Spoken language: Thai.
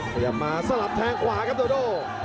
พยายามมาสลับแทงขวาครับโดโด